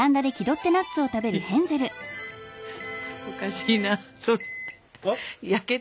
おかしいなそれ。